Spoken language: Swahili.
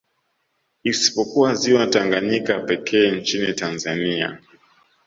Isipokuwa ziwa Tanganyika pekee nchini Tanzania